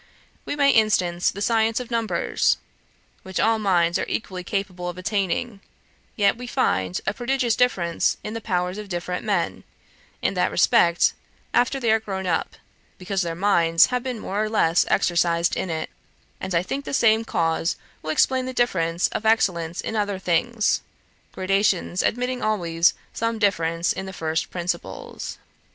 We may instance the science of numbers, which all minds are equally capable of attaining; yet we find a prodigious difference in the powers of different men, in that respect, after they are grown up, because their minds have been more or less exercised in it: and I think the same cause will explain the difference of excellence in other things, gradations admitting always some difference in the first principles.'